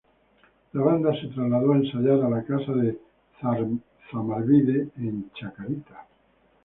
La banda se trasladó a ensayar a la casa de Zamarbide en Chacarita.